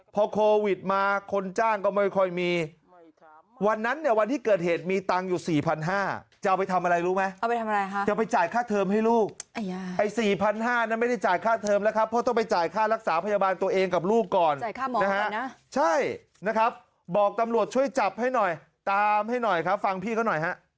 พอโควิดมาคนจ้างก็ไม่ค่อยมีวันนั้นเนี่ยวันที่เกิดเหตุมีตังค์อยู่๔๕๐๐บาทจะเอาไปทำอะไรรู้ไหมเอาไปทำอะไรฮะจะไปจ่ายค่าเทิมให้ลูกไอ้๔๕๐๐นั้นไม่ได้จ่ายค่าเทอมแล้วครับเพราะต้องไปจ่ายค่ารักษาพยาบาลตัวเองกับลูกก่อนนะฮะใช่นะครับบอกตำรวจช่วยจับให้หน่อยตามให้หน่อยครับฟังพี่เขาหน่อยฮะ